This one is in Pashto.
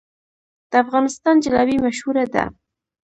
د افغانستان جلبي مشهوره ده